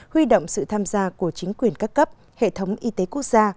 huy động sự tham gia của chính quyền các cấp hệ thống y tế quốc gia